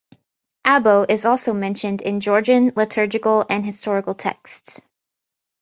Abo is also mentioned in Georgian liturgical and historical texts.